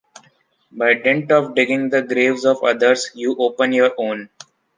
By dint of digging the graves of others, you open your own.